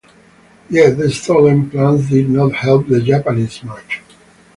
Yet the stolen plans did not help the Japanese much.